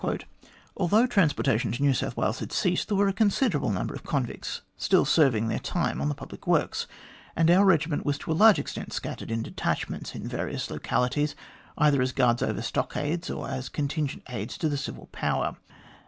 M 178 THE GLADSTONE COLONY "Although transportation to New South "Wales had ceased, there were a considerable number of convicts still serving their time on the public works, and our regiment was to a large extent scattered in detachments in various localities, either as guards over stockades or as contingent aids to the civil power.